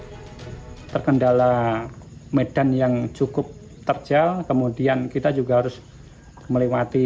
perjalanan ke tempat yang cukup terjal kemudian kita juga harus melewati perjalanan ke tempat yang cukup terjal kemudian kita juga harus melewati